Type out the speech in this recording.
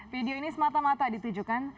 video ini semata mata ditujukan